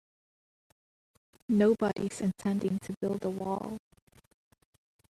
Nobody's intending to build a wall.